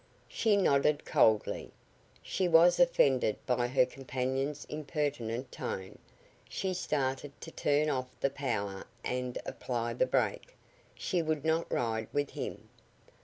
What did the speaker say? She nodded coldly. She was offended by her companion's impertinent tone. She started to turn off the power and apply the brake. She would not ride with him.